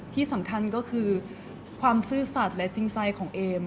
ที่สำคัญก็คือความซื่อสัตว์และจริงใจของเอม